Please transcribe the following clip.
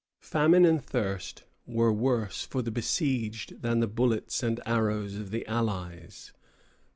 Famine and thirst were worse for the besieged than the bullets and arrows of the allies.